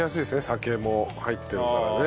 酒も入ってるからね。